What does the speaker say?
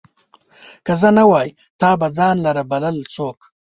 که زه نه وای، تا به ځان لره بلل څوک